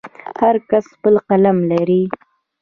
هر کس خپل قلم لري.